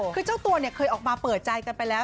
คือเจ้าตัวเนี่ยเคยออกมาเปิดใจกันไปแล้ว